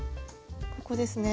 ここですね？